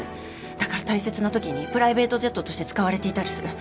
だから大切なときにプライベートジェットとして使われていたりする。